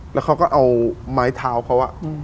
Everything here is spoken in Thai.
แล้วเขาก็เอาไม้เท้าเขา